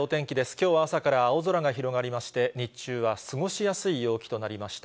きょうは朝から青空が広がりまして、日中は過ごしやすい陽気となりました。